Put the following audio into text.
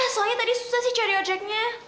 soalnya tadi susah cari ojeknya